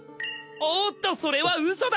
おっとそれはうそだ！